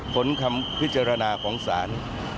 ผลคำพิจารณาของศาล